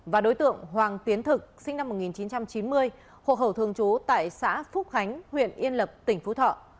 và đối tượng hoàng tiến thực sinh năm một nghìn chín trăm chín mươi hộ khẩu thường trú tại xã phúc khánh huyện yên lập tỉnh phú thọ